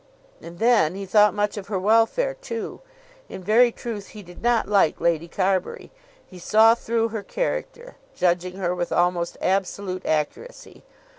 And then he thought much of her welfare too. In very truth he did not like Lady Carbury. He saw through her character, judging her with almost absolute accuracy.